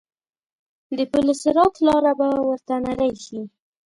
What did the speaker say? د پل صراط لاره به ورته نرۍ شي.